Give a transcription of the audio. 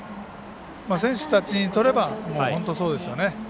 選手たちにとれば本当にそうですよね。